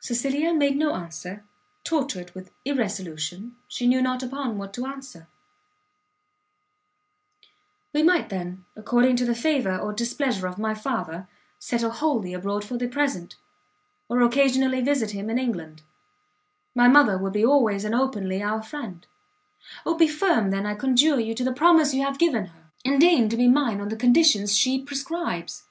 Cecilia made no answer; tortured with irresolution, she knew not upon what to determine. "We might then, according to the favour or displeasure of my father, settle wholly abroad for the present, or occasionally visit him in England; my mother would be always and openly our friend Oh be firm, then, I conjure you, to the promise you have given her, and deign to be mine on the conditions she prescribes.